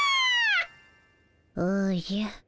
おじゃ。